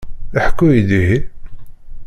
Ḥkut-iyi-d ihi.